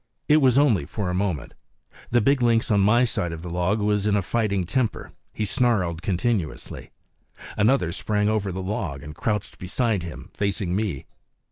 It was only for a moment. The big lynx on my side of the log was in a fighting temper; he snarled continuously. Another sprang over the log and crouched beside him, facing me.